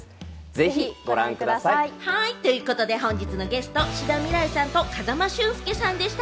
ぜひご覧ください。ということで、本日のゲスト、志田未来さんと風間俊介さんでした！